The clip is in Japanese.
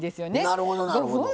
なるほどなるほど。